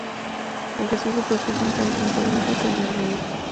Ejerció su profesión tanto en Pitalito como en Neiva.